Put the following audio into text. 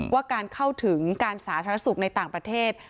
ว่าการเข้าถึงการสาธารณสุขในต่างประเทศ